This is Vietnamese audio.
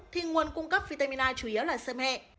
thì nguồn cung cấp vitamin a chủ yếu là sơ hệ